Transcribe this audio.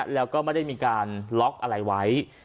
แล้วก็ไม่ได้มีการล็อกอะไรไว้